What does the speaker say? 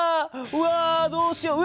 うわどうしよう！